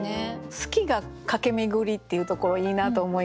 「『好き』が駆け巡り」っていうところいいなと思いましたね。